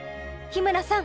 日村さん。